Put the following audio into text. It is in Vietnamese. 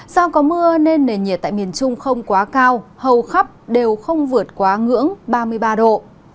do có mưa nên nền nhiệt tại miền trung không quá cao hầu khắp đều không vượt quá ngưỡng ba mươi ba độ